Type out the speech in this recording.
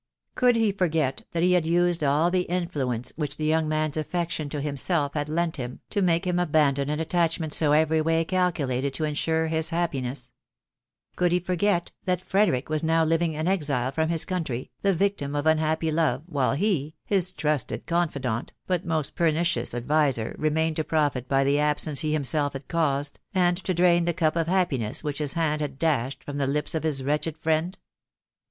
Could he forget that he had used all the influence which the young man's affection to himself had lent him, to make him abandon an attachment so every way calculated to ensure his happiness ?.•.• Could he forget that Frederic was now living an exile from his country, the victim of unhappy love, while he, his trusted confidant but most pernicious adviser, remained to profit by the absence he himself had caused, and to drain the cup of happiness which his hand had dashed from the lips of his wretched friend